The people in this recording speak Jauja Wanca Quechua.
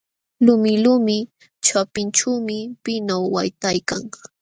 Lumilumi ćhapinćhuumi pinaw waytaykan.